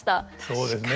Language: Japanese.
そうですね。